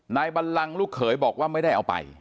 บันลังลูกเขยบอกว่าไม่ได้เอาไป